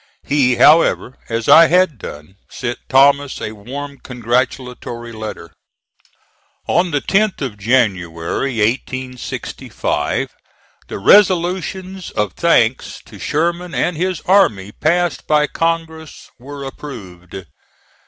He, however, as I had done, sent Thomas a warm congratulatory letter. On the 10th of January, 1865, the resolutions of thanks to Sherman and his army passed by Congress were approved.